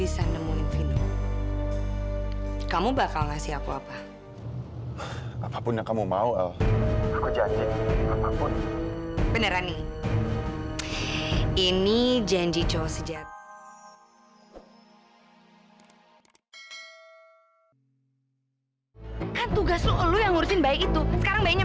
sampai jumpa di video selanjutnya